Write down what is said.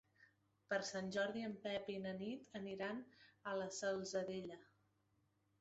Per Sant Jordi en Pep i na Nit aniran a la Salzadella.